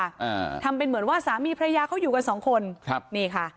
อ่าทำเป็นเหมือนว่าสามีพระยาเขาอยู่กันสองคนครับนี่ค่ะ